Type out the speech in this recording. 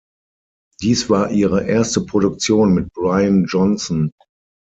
Dies war ihre erste Produktion mit Brian Johnson.